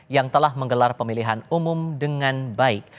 yang telah menggelar pemilihan umum dengan baik